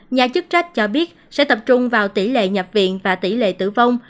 nhà chức trách cho biết sẽ tập trung vào tỷ lệ nhập viện và tỷ lệ tử vong